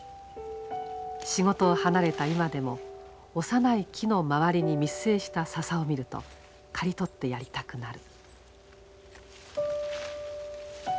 仕事を離れた今でも幼い木の周りに密生した笹を見ると刈り取ってやりたくなる。